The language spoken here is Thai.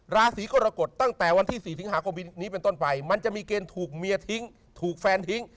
ราศีกรกฎตั้งแต่วันที่๔สิงหาคมนี้เป็นต้นไปมันจะมีเกณฑ์ถูกเมียทิ้งถูกแฟนทิ้ง